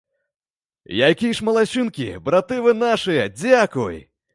Якія ж малайчынкі, браты вы нашыя, дзякуй!